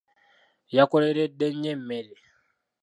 Yakoleredde nnyo emmere.